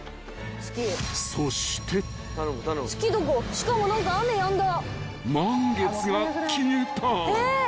しかも何か雨やんだ。